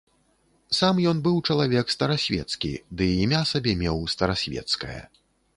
Сам ён быў чалавек старасвецкі, ды імя сабе меў старасвецкае.